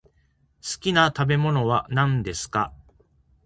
好きな食べ物は何ですか？